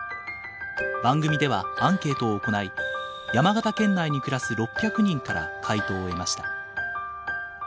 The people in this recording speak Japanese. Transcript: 番組ではアンケートを行い山形県内に暮らす６００人から回答を得ました。